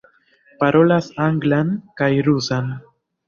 Parolas anglan kaj rusan.